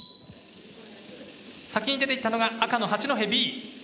先に出ていったのが赤の八戸Ｂ。